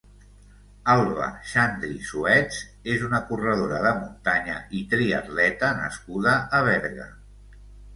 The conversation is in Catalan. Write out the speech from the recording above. Alba Xandri Suets és una corredora de muntanya i triatleta nascuda a Berga.